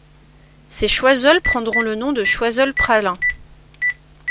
Ces Choiseul prendront le nom de Choiseul-Praslin.